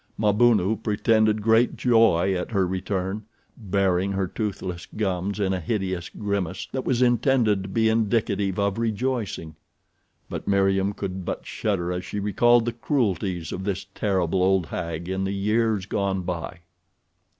Mabunu pretended great joy at her return, baring her toothless gums in a hideous grimace that was intended to be indicative of rejoicing. But Meriem could but shudder as she recalled the cruelties of this terrible old hag in the years gone by.